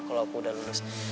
kalo aku udah lulus